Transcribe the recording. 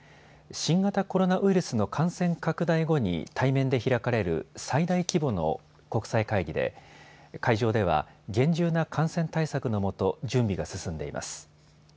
新型コロナウイルスの感染拡大後に対面で開かれる最大規模の国際会議で会場では厳重な感染対策のもと、準備が進んでいます。